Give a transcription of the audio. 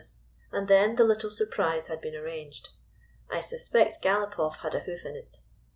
GYPSY, THE TALKING DOG then the little surprise had been arranged. I suspect Galopoff had a hoof in it.